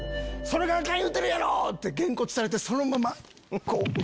「それがアカン言うてるやろ」ってゲンコツされてそのままこう。